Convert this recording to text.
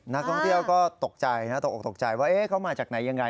นักท่องเที่ยวก็ตกใจนะตกออกตกใจว่าเขามาจากไหนยังไง